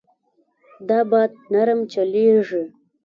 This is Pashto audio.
دا باد نرم چلېږي.